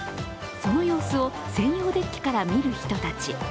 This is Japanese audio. その様子を専用デッキから見る人たち。